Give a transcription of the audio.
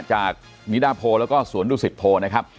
จากนิดาโพแล้วก็สวนดุสิตโพนะครับ